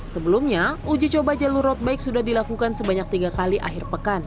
sebelumnya uji coba jalur road bike sudah dilakukan sebanyak tiga kali akhir pekan